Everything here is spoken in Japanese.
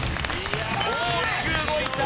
大きく動いた。